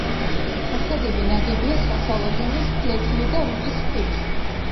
ფასადები ნაგებია საშუალო ზომის, ფლეთილი და რიყის ქვით.